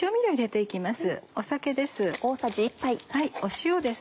塩です。